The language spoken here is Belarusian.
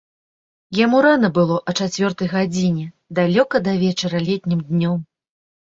Яму рана было а чацвёртай гадзіне, далёка да вечара летнім днём.